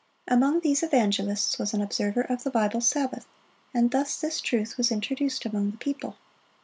Among these evangelists was an observer of the Bible Sabbath, and thus this truth was introduced among the people.